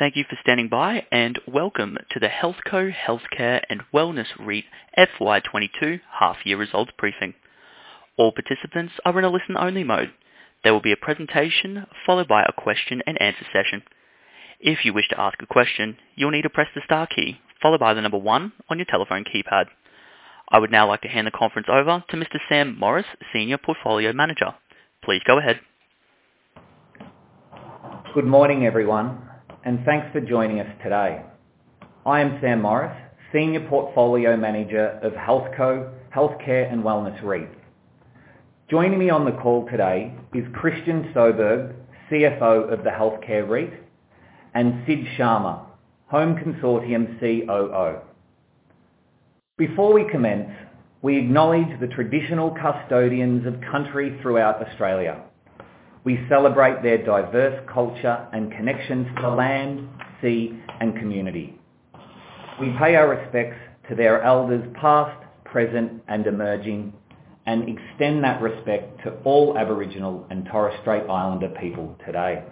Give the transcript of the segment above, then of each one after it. Thank you for standing by, and welcome to the HealthCo Healthcare and Wellness REIT FY 2022 half year results briefing. All participants are in a listen-only mode. There will be a presentation followed by a question and answer session. If you wish to ask a question, you'll need to press the star key followed by the number one on your telephone keypad. I would now like to hand the conference over to Mr. Sam Morris, Senior Portfolio Manager. Please go ahead. Good morning, everyone, and thanks for joining us today. I am Sam Morris, Senior Portfolio Manager of HealthCo Healthcare and Wellness REIT. Joining me on the call today is Christian Soberg, CFO of the Healthcare REIT, and Sid Sharma, Home Consortium COO. Before we commence, we acknowledge the traditional custodians of country throughout Australia. We celebrate their diverse culture and connections to land, sea, and community. We pay our respects to their elders past, present, and emerging, and extend that respect to all Aboriginal and Torres Strait Islander people today.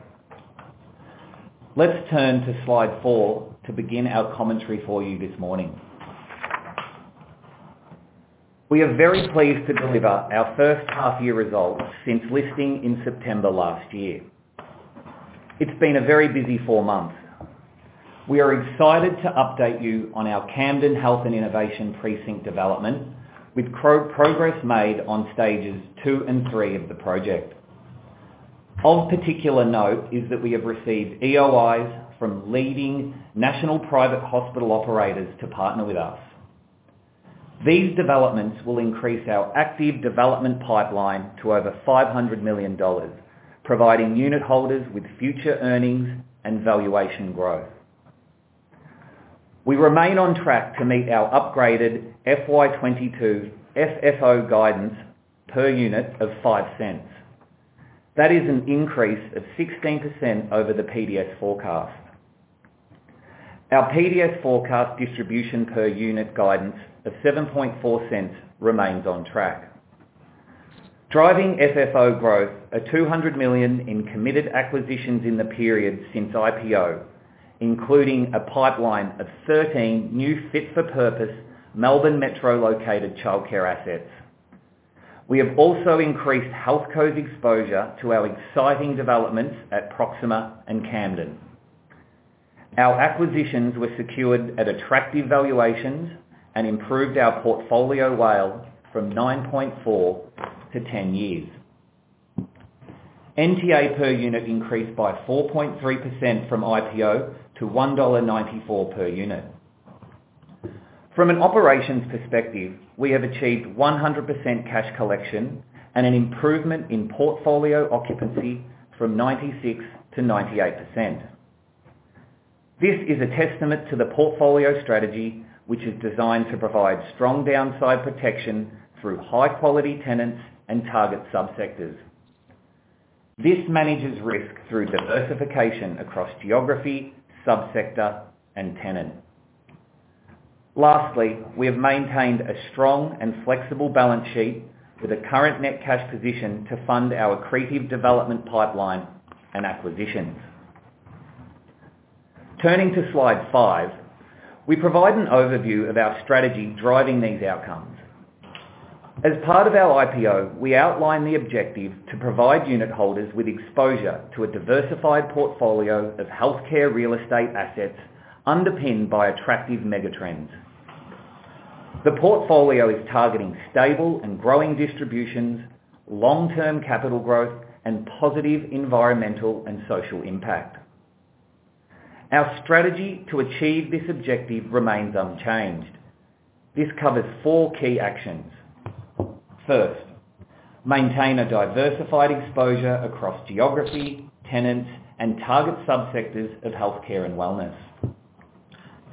Let's turn to slide four to begin our commentary for you this morning. We are very pleased to deliver our H1 year results since listing in September last year. It's been a very busy four months. We are excited to update you on our Camden Health and Innovation Precinct development with progress made on stages II and stage III of the project. Of particular note is that we have received EOIs from leading national private hospital operators to partner with us. These developments will increase our active development pipeline to over 500 million dollars, providing unit holders with future earnings and valuation growth. We remain on track to meet our upgraded FY 2022 FFO guidance per unit of 0.05. That is an increase of 16% over the PDS forecast. Our PDS forecast distribution per unit guidance of 0.074 remains on track. Driving FFO growth are 200 million in committed acquisitions in the period since IPO, including a pipeline of 13 new fit for purpose Melbourne Metro located childcare assets. We have also increased HealthCo's exposure to our exciting developments at Proxima and Camden. Our acquisitions were secured at attractive valuations and improved our portfolio WALE from nine point four years-10 years. NTA per unit increased by 4.3% from IPO to 1.94 dollar per unit. From an operations perspective, we have achieved 100% cash collection and an improvement in portfolio occupancy from 96%-98%. This is a testament to the portfolio strategy, which is designed to provide strong downside protection through high-quality tenants and target subsectors. This manages risk through diversification across geography, subsector, and tenant. Lastly, we have maintained a strong and flexible balance sheet with a current net cash position to fund our accretive development pipeline and acquisitions. Turning to slide five, we provide an overview of our strategy driving these outcomes. As part of our IPO, we outlined the objective to provide unit holders with exposure to a diversified portfolio of healthcare real estate assets underpinned by attractive megatrends. The portfolio is targeting stable and growing distributions, long-term capital growth, and positive environmental and social impact. Our strategy to achieve this objective remains unchanged. This covers four key actions. First, maintain a diversified exposure across geography, tenants, and target subsectors of healthcare and wellness.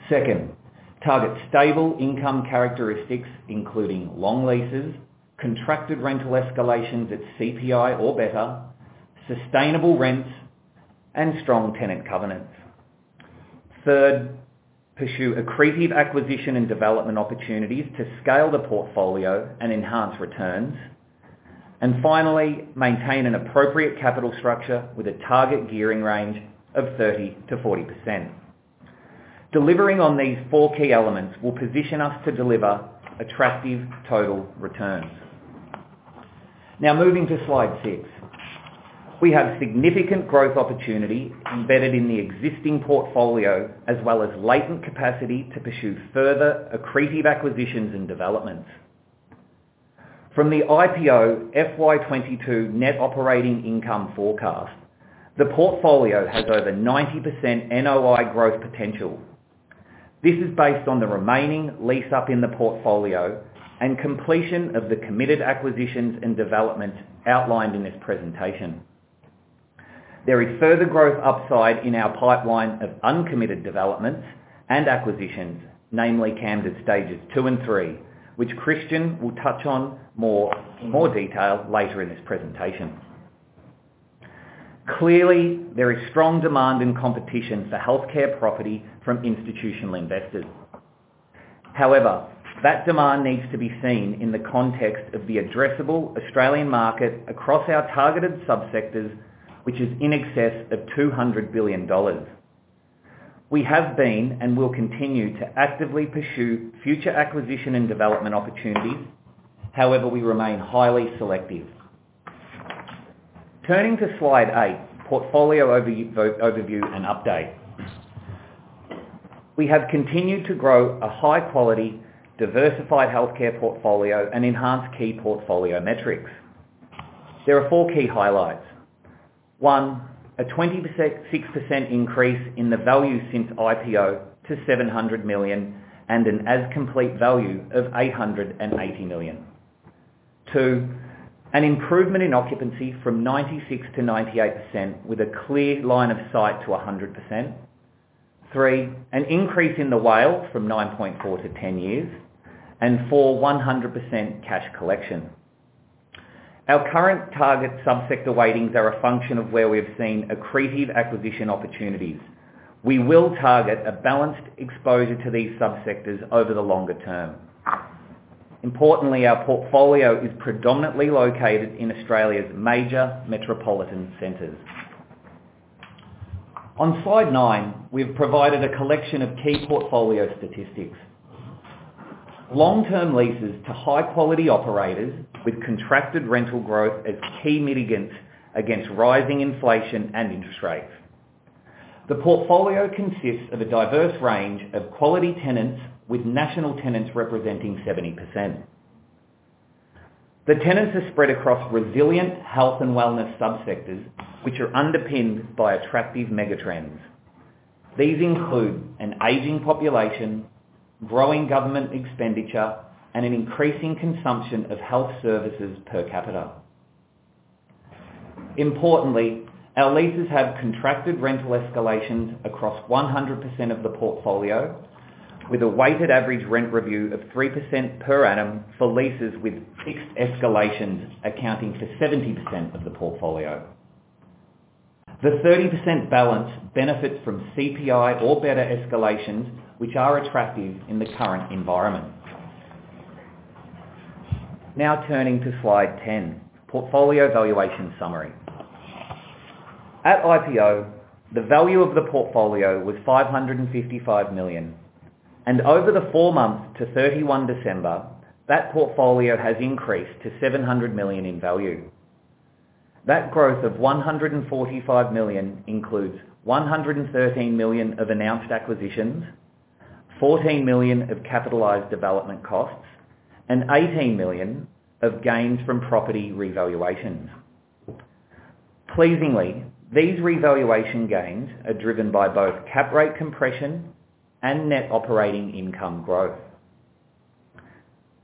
Second, target stable income characteristics, including long leases, contracted rental escalations at CPI or better, sustainable rents, and strong tenant covenants. Third, pursue accretive acquisition and development opportunities to scale the portfolio and enhance returns. Finally, maintain an appropriate capital structure with a target gearing range of 30%-40%. Delivering on these four key elements will position us to deliver attractive total returns. Now, moving to slide six. We have significant growth opportunity embedded in the existing portfolio, as well as latent capacity to pursue further accretive acquisitions and developments. From the IPO FY 2022 net operating income forecast, the portfolio has over 90% NOI growth potential. This is based on the remaining lease up in the portfolio and completion of the committed acquisitions and developments outlined in this presentation. There is further growth upside in our pipeline of uncommitted developments and acquisitions, namely Camden stages II and stages III, which Christian will touch on more detail later in this presentation. Clearly, there is strong demand and competition for healthcare property from institutional investors. However, that demand needs to be seen in the context of the addressable Australian market across our targeted subsectors, which is in excess of 200 billion dollars. We have been and will continue to actively pursue future acquisition and development opportunities. However, we remain highly selective. Turning to slide eight, portfolio overview and update. We have continued to grow a high-quality, diversified healthcare portfolio and enhance key portfolio metrics. There are four key highlights. One, a 6% increase in the value since IPO to 700 million and an as-completed value of 880 million. Two, an improvement in occupancy from 96%-98% with a clear line of sight to 100%. Three, an increase in the WALE from nine point four years-10 years. Four, 100% cash collection. Our current target subsector weightings are a function of where we have seen accretive acquisition opportunities. We will target a balanced exposure to these subsectors over the longer term. Importantly, our portfolio is predominantly located in Australia's major metropolitan centers. On slide nine, we have provided a collection of key portfolio statistics. Long-term leases to high-quality operators with contracted rental growth as key mitigants against rising inflation and interest rates. The portfolio consists of a diverse range of quality tenants, with national tenants representing 70%. The tenants are spread across resilient health and wellness subsectors, which are underpinned by attractive megatrends. These include an aging population, growing government expenditure, and an increasing consumption of health services per capita. Importantly, our leases have contracted rental escalations across 100% of the portfolio, with a weighted average rent review of 3% per annum for leases with fixed escalations accounting for 70% of the portfolio. The 30% balance benefits from CPI or better escalations, which are attractive in the current environment. Now turning to slide 10, portfolio valuation summary. At IPO, the value of the portfolio was 555 million, and over the four months to 31 December, that portfolio has increased to 700 million in value. That growth of 145 million includes 113 million of announced acquisitions, 14 million of capitalized development costs, and 18 million of gains from property revaluations. Pleasingly, these revaluation gains are driven by both cap rate compression and net operating income growth.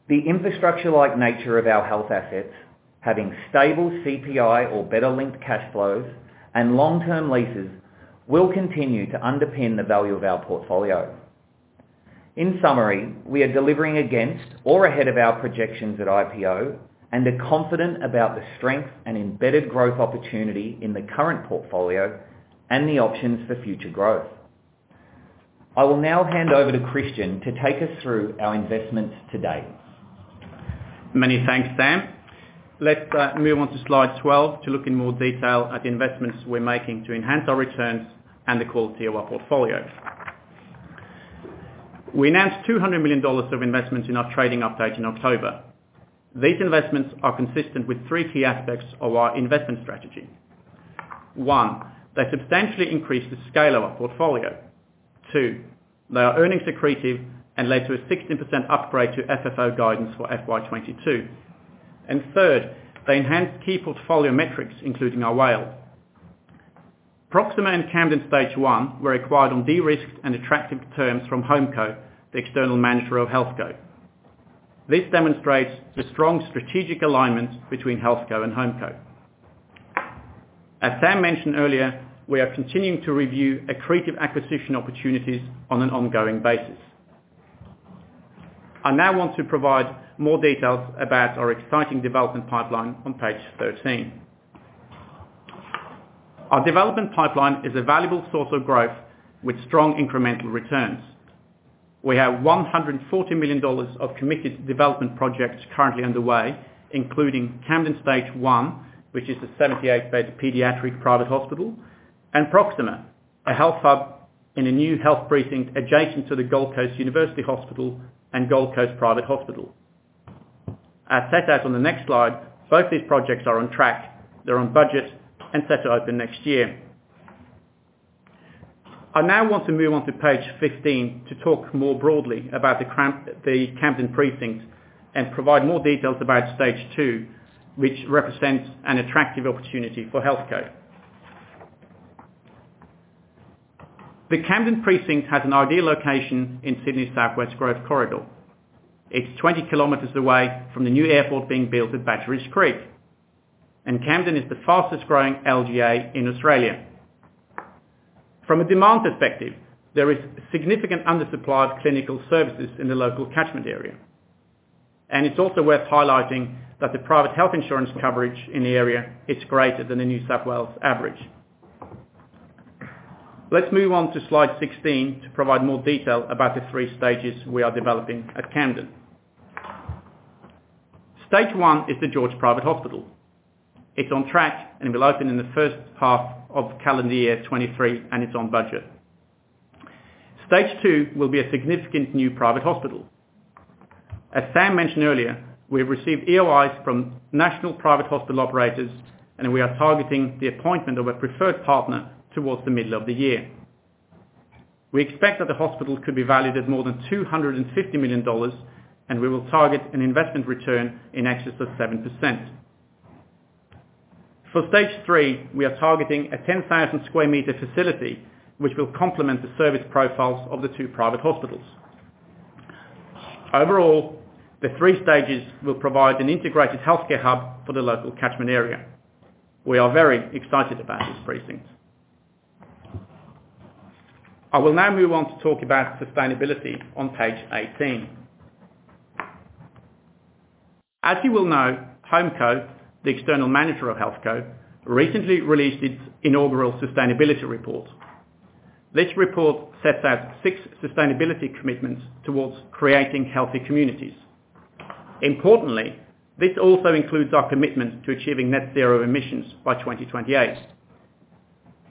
The infrastructure-like nature of our health assets, having stable CPI or better-linked cash flows and long-term leases, will continue to underpin the value of our portfolio. In summary, we are delivering against or ahead of our projections at IPO and are confident about the strength and embedded growth opportunity in the current portfolio and the options for future growth. I will now hand over to Christian to take us through our investments to date. Many thanks, Sam. Let's move on to slide 12 to look in more detail at the investments we're making to enhance our returns and the quality of our portfolio. We announced 200 million dollars of investments in our trading update in October. These investments are consistent with three key aspects of our investment strategy. One, they substantially increase the scale of our portfolio. Two, they are earnings accretive and led to a 16% upgrade to FFO guidance for FY 2022. Third, they enhance key portfolio metrics, including our WALE. Proxima and Camden Stage I were acquired on de-risked and attractive terms from HomeCo, the external manager of HealthCo. This demonstrates the strong strategic alignment between HealthCo and HomeCo. As Sam mentioned earlier, we are continuing to review accretive acquisition opportunities on an ongoing basis. I now want to provide more details about our exciting development pipeline on page 13. Our development pipeline is a valuable source of growth with strong incremental returns. We have 140 million dollars of committed development projects currently underway, including Camden Stage One, which is a 78-bed pediatric private hospital, and Proxima, a health hub in a new health precinct adjacent to the Gold Coast University Hospital and Gold Coast Private Hospital. As set out on the next slide, both these projects are on track, they're on budget and set to open next year. I now want to move on to page 15 to talk more broadly about the Camden Precinct and provide more details about Stage II, which represents an attractive opportunity for HealthCo. The Camden Precinct has an ideal location in Sydney's southwest growth corridor. It's 20 km away from the new airport being built at Badgerys Creek, and Camden is the fastest growing LGA in Australia. From a demand perspective, there is significant undersupply of clinical services in the local catchment area, and it's also worth highlighting that the private health insurance coverage in the area is greater than the New South Wales average. Let's move on to slide 16 to provide more detail about the three stages we are developing at Camden. Stage I is The George Private Hospital. It's on track, and it will open in the H1 of calendar year 2023, and it's on budget. Stage II will be a significant new private hospital. As Sam mentioned earlier, we have received EOIs from national private hospital operators, and we are targeting the appointment of a preferred partner towards the middle of the year. We expect that the hospital could be valued at more than 250 million dollars, and we will target an investment return in excess of 7%. For stage III, we are targeting a 10,000-sq m facility which will complement the service profiles of the two private hospitals. Overall, the three stages will provide an integrated healthcare hub for the local catchment area. We are very excited about this precinct. I will now move on to talk about sustainability on page 18. As you will know, HomeCo, the external manager of HealthCo, recently released its inaugural sustainability report. This report sets out six sustainability commitments towards creating healthy communities. Importantly, this also includes our commitment to achieving net zero emissions by 2028.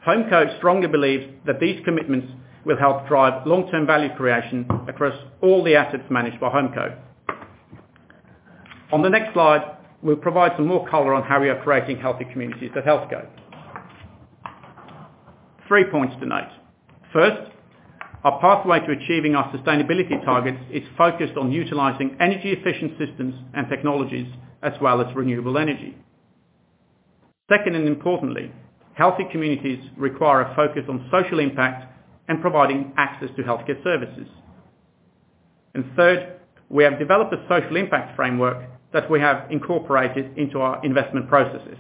HomeCo strongly believes that these commitments will help drive long-term value creation across all the assets managed by HomeCo. On the next slide, we'll provide some more color on how we are creating healthy communities at HealthCo. Three points to note. First, our pathway to achieving our sustainability targets is focused on utilizing energy-efficient systems and technologies as well as renewable energy. Second, and importantly, healthy communities require a focus on social impact and providing access to healthcare services. Third, we have developed a social impact framework that we have incorporated into our investment processes.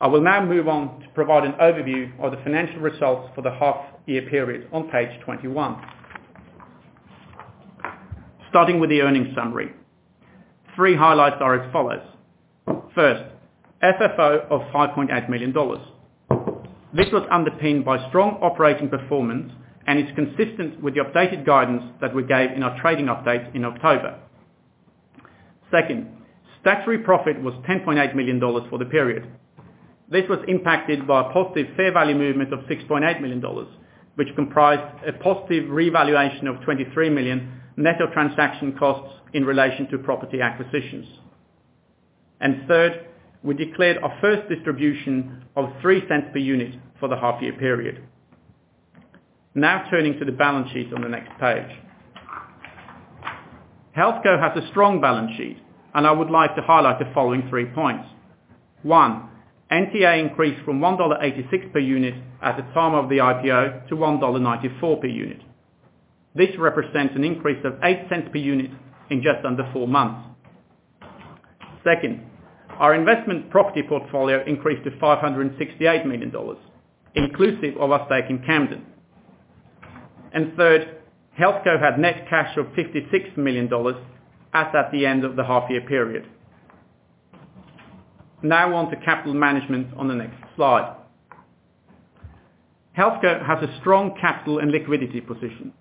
I will now move on to provide an overview of the financial results for the half year period on page 21. Starting with the earnings summary, three highlights are as follows. First, FFO of 5.8 million dollars. This was underpinned by strong operating performance and is consistent with the updated guidance that we gave in our trading update in October. Second, statutory profit was 10.8 million dollars for the period. This was impacted by a positive fair value movement of 6.8 million dollars, which comprised a positive revaluation of 23 million net of transaction costs in relation to property acquisitions. Third, we declared our first distribution of 0.03 per unit for the half year period. Now turning to the balance sheet on the next page. HealthCo has a strong balance sheet, and I would like to highlight the following three points. One, NTA increased from 1.86 dollar per unit at the time of the IPO to 1.94 dollar per unit. This represents an increase of 0.08 per unit in just under four months. Second, our investment property portfolio increased to 568 million dollars, inclusive of our stake in Camden. Third, HealthCo had net cash of 56 million dollars as at the end of the half year period. Now on to capital management on the next slide. HealthCo has a strong capital and liquidity position.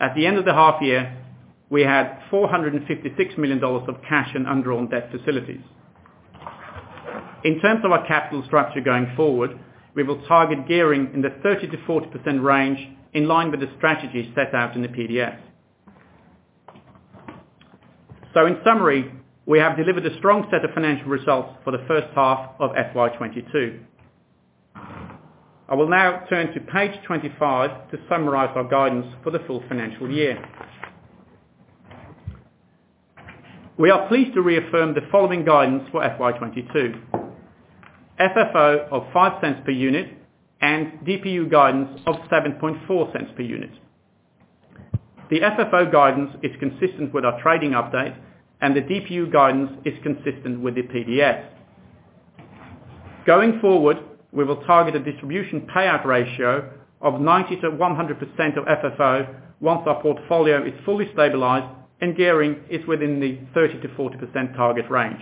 At the end of the half year, we had 456 million dollars of cash and undrawn debt facilities. In terms of our capital structure going forward, we will target gearing in the 30%-40% range in line with the strategy set out in the PDS. In summary, we have delivered a strong set of financial results for the H1 of FY 2022. I will now turn to page 25 to summarize our guidance for the full financial year. We are pleased to reaffirm the following guidance for FY 2022. FFO of 0.05 per unit and DPU guidance of 0.074 per unit. The FFO guidance is consistent with our trading update, and the DPU guidance is consistent with the PDS. Going forward, we will target a distribution payout ratio of 90%-100% of FFO once our portfolio is fully stabilized and gearing is within the 30%-40% target range.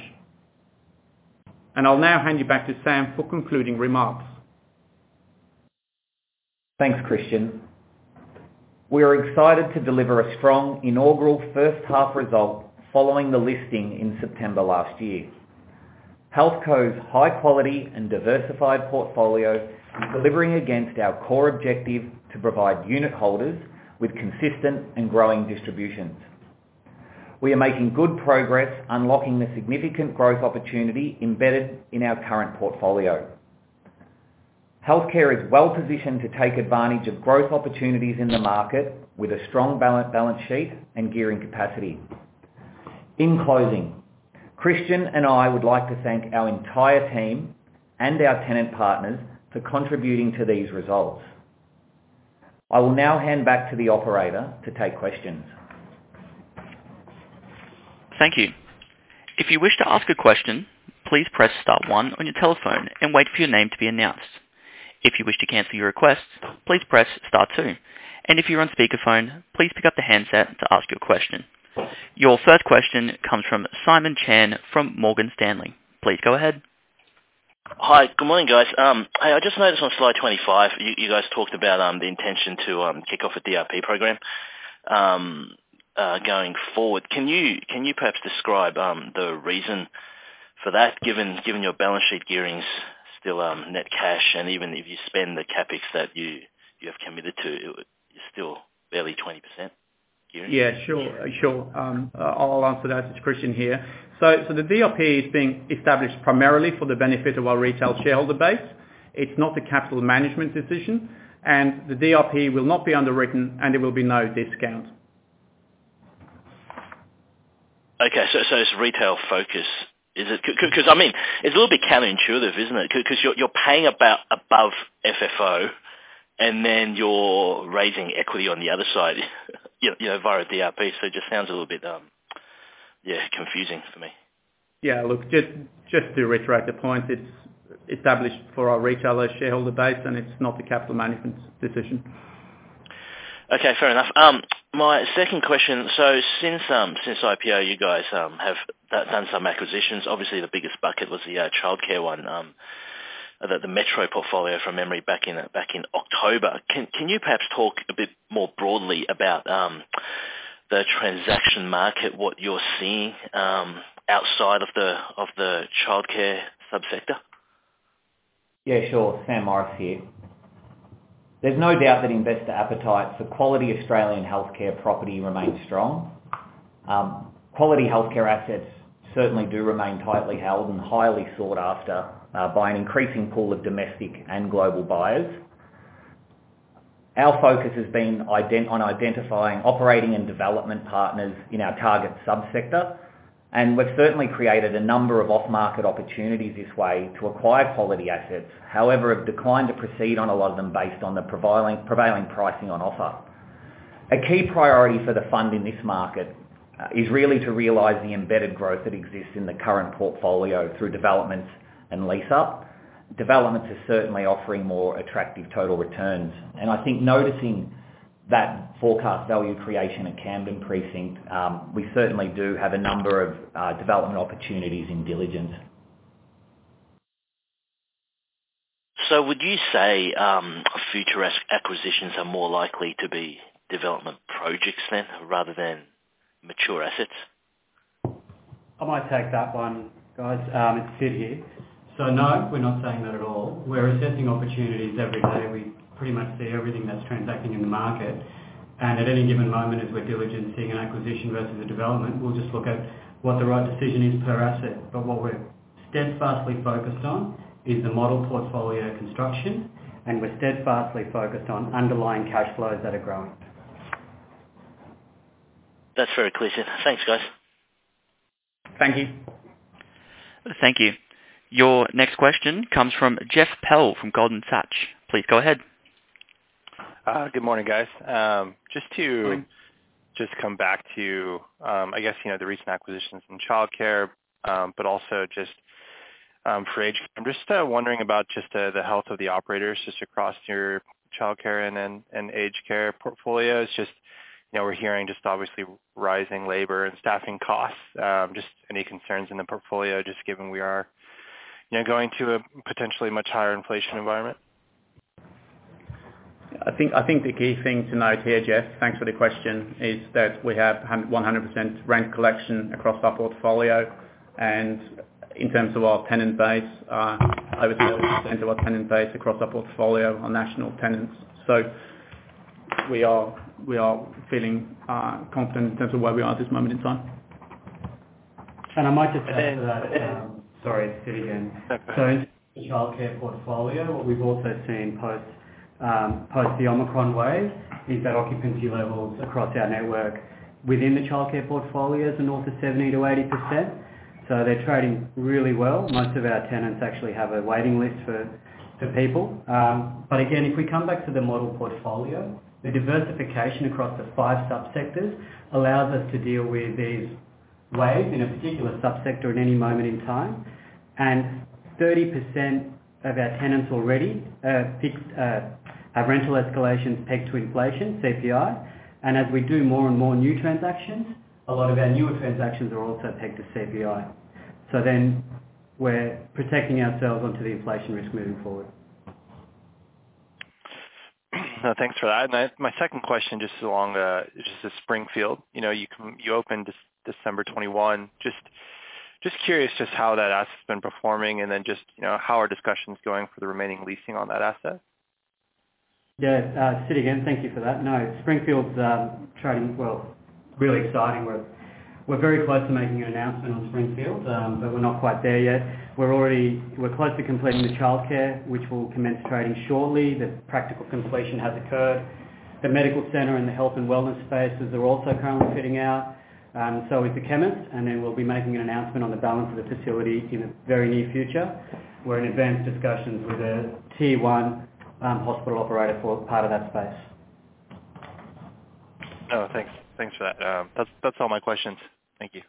I'll now hand you back to Sam for concluding remarks. Thanks, Christian. We are excited to deliver a strong inaugural H1 result following the listing in September last year. HealthCo's high quality and diversified portfolio is delivering against our core objective to provide unitholders with consistent and growing distributions. We are making good progress unlocking the significant growth opportunity embedded in our current portfolio. Healthcare is well-positioned to take advantage of growth opportunities in the market with a strong balance sheet and gearing capacity. In closing, Christian and I would like to thank our entire team and our tenant partners for contributing to these results. I will now hand back to the operator to take questions. Thank you. If you wish to ask a question, please press star one on the telephone and wait for your name to be announced. If you wish to cancel your request, please press star then two. And if you are on speakerphone, please pick up your handset to ask your question. Your first question comes from Simon Chan from Morgan Stanley. Please go ahead. Hi. Good morning, guys. Hey, I just noticed on slide 25, you guys talked about the intention to kick off a DRP program going forward. Can you perhaps describe the reason for that given your balance sheet gearing's still net cash, and even if you spend the CapEx that you have committed to, it's still barely 20% gearing? I'll answer that. It's Christian here. The DRP is being established primarily for the benefit of our retail shareholder base. It's not a capital management decision, and the DRP will not be underwritten, and there will be no discount. Okay. It's retail focused. Is it? 'Cause, I mean, it's a little bit counterintuitive, isn't it? 'Cause you're paying a bit above FFO, and then you're raising equity on the other side, you know, via DRP, so it just sounds a little bit, yeah, confusing for me. Yeah. Look, just to reiterate the point, it's established for our retailer shareholder base, and it's not a capital management decision. Okay. Fair enough. My second question, since IPO, you guys have done some acquisitions. Obviously the biggest bucket was the childcare one, the Metro portfolio from memory back in October. Can you perhaps talk a bit more broadly about the transaction market, what you're seeing, outside of the childcare subsector? Yeah, sure. Sam Morris here. There's no doubt that investor appetite for quality Australian healthcare property remains strong. Quality healthcare assets certainly do remain tightly held and highly sought after by an increasing pool of domestic and global buyers. Our focus has been on identifying operating and development partners in our target subsector, and we've certainly created a number of off-market opportunities this way to acquire quality assets. However, we have declined to proceed on a lot of them based on the prevailing pricing on offer. A key priority for the fund in this market is really to realize the embedded growth that exists in the current portfolio through developments and lease-up. Developments are certainly offering more attractive total returns. I think noticing that forecast value creation at Camden Precinct, we certainly do have a number of development opportunities in diligence. Would you say future acquisitions are more likely to be development projects than rather than mature assets? I might take that one, guys. It's Sid here. No, we're not saying that at all. We're assessing opportunities every day. We pretty much see everything that's transacting in the market. At any given moment as we're diligencing an acquisition versus a development, we'll just look at what the right decision is per asset. What we're steadfastly focused on is the model portfolio construction, and we're steadfastly focused on underlying cash flows that are growing. That's very clear, Sid. Thanks, guys. Thank you. Thank you. Your next question comes from Jeff Pell from GoldenTree. Please go ahead. Good morning, guys. Morning. Just come back to, I guess, you know, the recent acquisitions in childcare. I'm just wondering about just the health of the operators just across your childcare and aged care portfolios. Just, you know, we're hearing just obviously rising labor and staffing costs. Just any concerns in the portfolio just given we are, you know, going to a potentially much higher inflation environment? I think the key thing to note here, Jeff, thanks for the question, is that we have 100% rent collection across our portfolio. In terms of our tenant base, over 30% of our tenant base across our portfolio are national tenants. We are feeling confident in terms of where we are at this moment in time. I might just add to that. Sorry. Sid again. That's okay. In the childcare portfolio, what we've also seen post the Omicron wave is that occupancy levels across our network within the childcare portfolio is north of 70%-80%, so they're trading really well. Most of our tenants actually have a waiting list for people. But again, if we come back to the model portfolio, the diversification across the five subsectors allows us to deal with these waves in a particular subsector at any moment in time. 30% of our tenants already have rental escalations pegged to inflation, CPI. As we do more and more new transactions, a lot of our newer transactions are also pegged to CPI. We're protecting ourselves onto the inflation risk moving forward. Thanks for that. My second question, just the Springfield, you know, you opened December 2021. Just curious how that asset's been performing and then, you know, how are discussions going for the remaining leasing on that asset? Yeah. Sid again, thank you for that. No, Springfield's trading well, really exciting. We're very close to making an announcement on Springfield, but we're not quite there yet. We're close to completing the childcare, which will commence trading shortly. The practical completion has occurred. The medical center and the health and wellness spaces are also currently fitting out, so is the chemist, and then we'll be making an announcement on the balance of the facility in the very near future. We're in advanced discussions with a tier one hospital operator for part of that space. Oh, thanks. Thanks for that. That's all my questions. Thank you.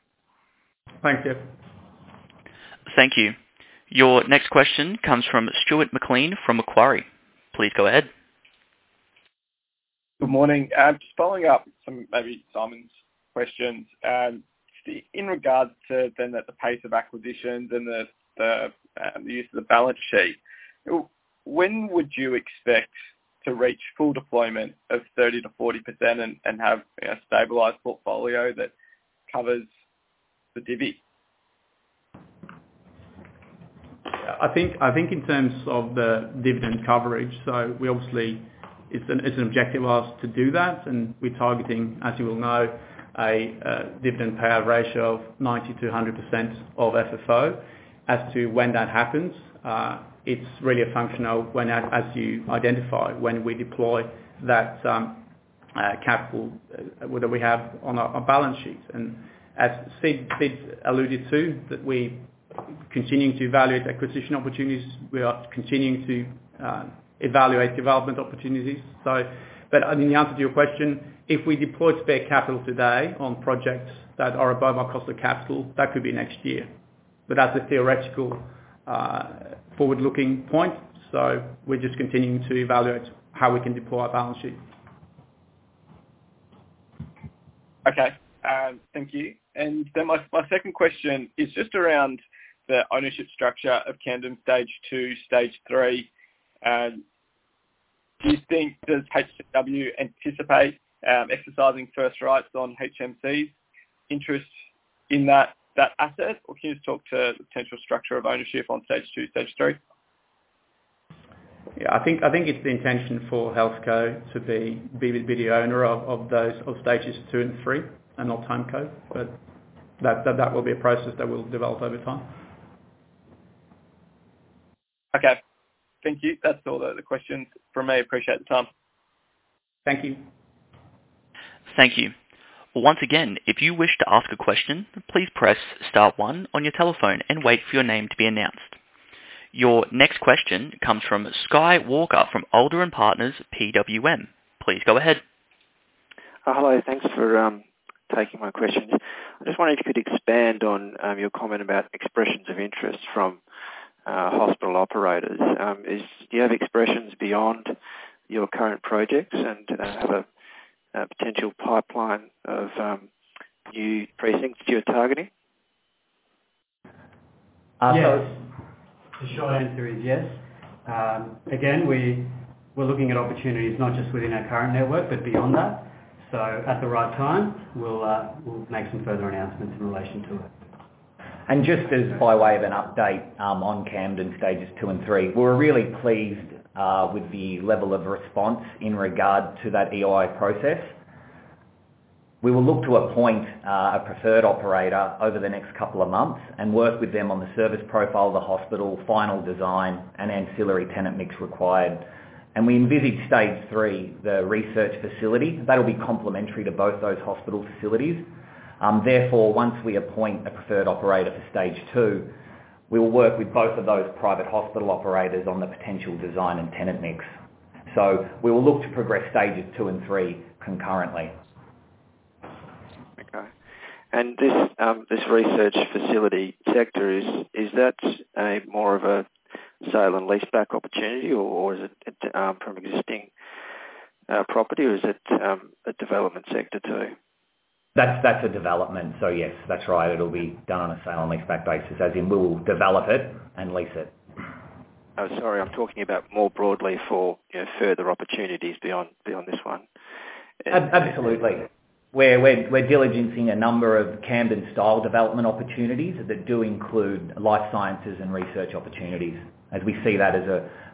Thanks, Jeff. Thank you. Your next question comes from Stuart McLean from Macquarie. Please go ahead. Good morning. Just following up some maybe Simon's questions. In regards to then the pace of acquisitions and the use of the balance sheet. When would you expect to reach full deployment of 30%-40% and have a stabilized portfolio that covers the divvy? I think in terms of the dividend coverage, so we obviously, it's an objective of ours to do that. We're targeting, as you well know, a dividend payout ratio of 90%-100% of FFO. As to when that happens, it's really a function of when, as you identify, when we deploy that capital whether we have on our balance sheet. As Sid alluded to, we're continuing to evaluate acquisition opportunities. We are continuing to evaluate development opportunities. But I mean, the answer to your question, if we deployed spare capital today on projects that are above our cost of capital, that could be next year. But that's a theoretical forward-looking point. We're just continuing to evaluate how we can deploy our balance sheet. Okay, thank you. My second question is just around the ownership structure of Camden Stage II, Stage III. Does HCW anticipate exercising first rights on HMC's interest in that asset? Or can you just talk to the potential structure of ownership on Stage II, Stage III? Yeah, I think it's the intention for HealthCo to be the owner of those stages II and stages III and not Timeco. That will be a process that will develop over time. Okay. Thank you. That's all the questions from me. Appreciate the time. Thank you. Thank you. Once again, if you wish to ask a question, please press star one on your telephone and wait for your name to be announced. Your next question comes from Sky Walker from Alder & Partners PWM. Please go ahead. Hello. Thanks for taking my questions. I just wondered if you could expand on your comment about expressions of interest from hospital operators. Do you have expressions beyond your current projects and have a potential pipeline of new precincts that you're targeting? Yes. The short answer is yes. Again, we're looking at opportunities not just within our current network but beyond that. At the right time, we'll make some further announcements in relation to it. Just as by way of an update on Camden Stages II and Stage III. We're really pleased with the level of response in regard to that EOI process. We will look to appoint a preferred operator over the next couple of months and work with them on the service profile of the hospital, final design, and ancillary tenant mix required. We envisage Stage Three, the research facility, that'll be complementary to both those hospital facilities. Therefore, once we appoint a preferred operator for Stage II, we will work with both of those private hospital operators on the potential design and tenant mix. We will look to progress Stages II and Stages III concurrently. Okay. This research facility sector, is that a more of a sale and leaseback opportunity or is it from existing property or is it a development sector too? That's a development. Yes, that's right. It'll be done on a sale and leaseback basis, as in we'll develop it and lease it. Oh, sorry. I'm talking about more broadly for, you know, further opportunities beyond this one. Absolutely. We're diligencing a number of Camden style development opportunities that do include life sciences and research opportunities, as we see that as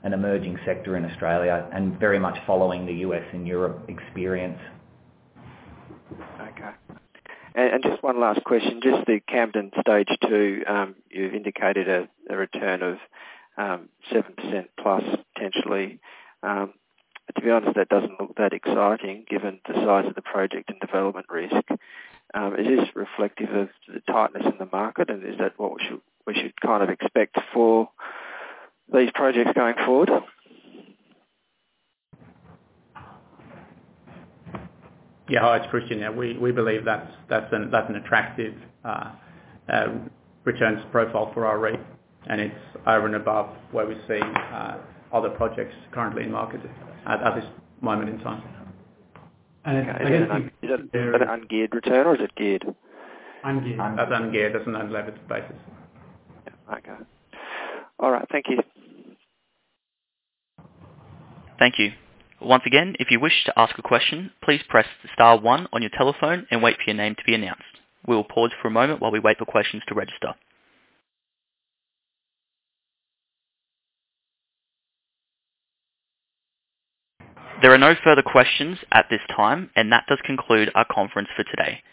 an emerging sector in Australia and very much following the U.S. and Europe experience. Okay. Just one last question. Just the Camden Stage Two, you've indicated a return of 7%+ potentially. To be honest, that doesn't look that exciting given the size of the project and development risk. Is this reflective of the tightness in the market? Is that what we should kind of expect for these projects going forward? Yeah. Hi, it's Christian. Yeah, we believe that's an attractive returns profile for our REIT, and it's over and above where we see other projects currently in market at this moment in time. Okay. Is that an ungeared return or is it geared? Ungeared. That's ungeared. That's an unlevered basis. Okay. All right. Thank you. Thank you. Once again, if you wish to ask a question, please press star one on your telephone and wait for your name to be announced. We will pause for a moment while we wait for questions to register. There are no further questions at this time, and that does conclude our conference for today.